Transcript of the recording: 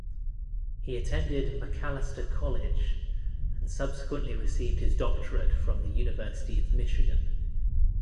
He attended Macalester College and subsequently received his doctorate from the University of Michigan.